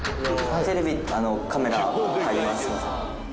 テレビあのカメラ入ります。